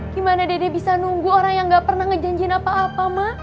gimana dede bisa nunggu orang yang gak pernah ngejanjiin apa apa mak